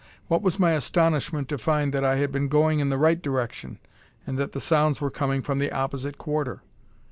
What was my astonishment to find that I had been going in the right direction, and that the sounds were coming from the opposite quarter.